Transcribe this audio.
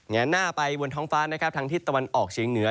แนนหน้าไปบนท้องฟ้านะครับทางทิศตะวันออกเฉียงเหนือ